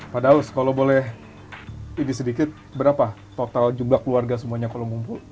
pak daus kalau boleh ini sedikit berapa total jumlah keluarga semuanya kalau ngumpul